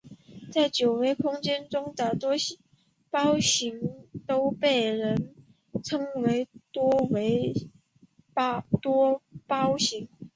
在九维空间中的多胞形都被称为八维多胞形。